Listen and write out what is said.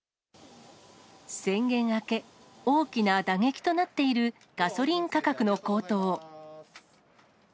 宣言明け、大きな打撃となっているガソリン価格の高騰。